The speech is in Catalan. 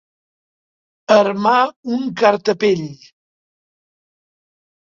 Armar un cartapell.